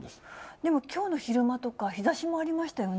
でもきょうの昼間とか、日ざしもありましたよね。